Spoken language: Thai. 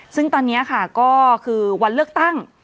ซึ่งตอนนี้ค่ะก็คือวันเลือกตั้ง